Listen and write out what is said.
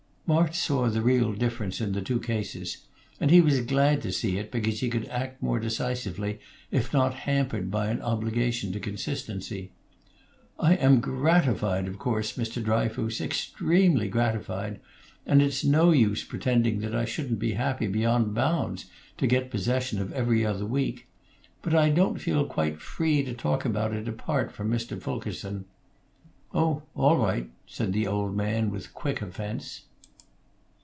March saw the real difference in the two cases, and he was glad to see it, because he could act more decisively if not hampered by an obligation to consistency. "I am gratified, of course, Mr. Dryfoos; extremely gratified; and it's no use pretending that I shouldn't be happy beyond bounds to get possession of 'Every Other Week.' But I don't feel quite free to talk about it apart from Mr. Fulkerson." "Oh, all right!" said the old man, with quick offence.